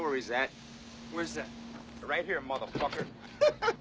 ハハハハ！